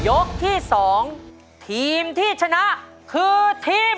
ยกที่๒ทีมที่ชนะคือทีม